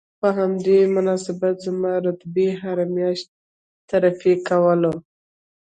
په همدې مناسبت زما رتبې هره میاشت ترفیع کوله